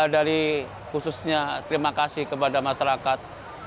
dari khususnya terima kasih kepada masyarakat